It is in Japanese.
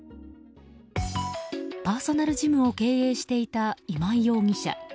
パーソナルジムを経営していた今井容疑者。